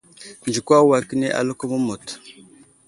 Nzikwa uway kəni aləko məmut.